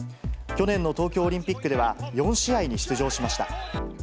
去年の東京オリンピックでは、４試合に出場しました。